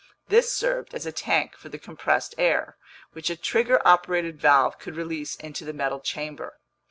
This served as a tank for the compressed air, which a trigger operated valve could release into the metal chamber.